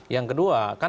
yang kedua kan